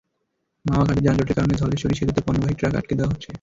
মাওয়া ঘাটে যানজটের কারণে ধলেশ্বরী সেতুতে পণ্যবাহী ট্রাক আটকে দেওয়া হচ্ছে।